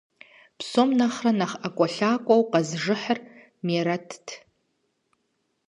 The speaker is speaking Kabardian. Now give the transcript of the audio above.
Псом нэхърэ нэхъ ӀэкӀуэлъакӀуэу къэзыжыхьыр Мерэтт.